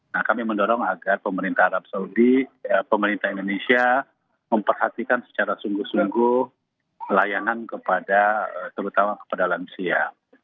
nah kami mendorong agar pemerintah arab saudi pemerintah indonesia memperhatikan secara sungguh sungguh pelayanan kepada terutama kepada lansia